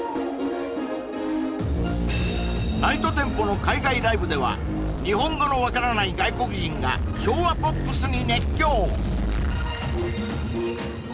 ＮｉｇｈｔＴｅｍｐｏの海外ライブでは日本語の分からない外国人が昭和ポップスに熱狂！